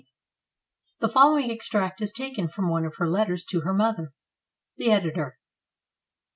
The following extract is taken from one of her letters to her mother. The Editor.